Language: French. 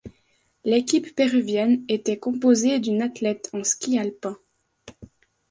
L'équipe péruvienne était composé d'une athlète en ski alpin.